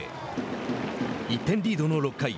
１点リードの６回。